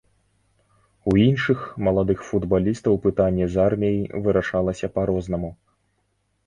У іншых маладых футбалістаў пытанне з арміяй вырашалася па-рознаму.